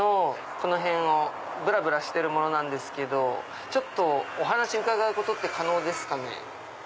この辺をぶらぶらしてる者なんですけどちょっとお話伺うことって可能ですかね？